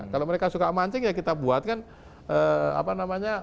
kalau mereka suka mancing ya kita buatkan apa namanya